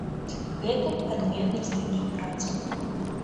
Гэта адметнасць такіх працаў.